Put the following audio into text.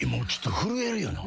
震えるよな。